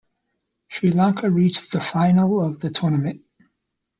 Sri Lanka reached the final of the tournament.